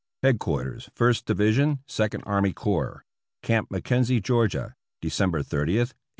Headquarters First Division Second Army Corps. Camp Mackenzie, Ga., December 30, 1898.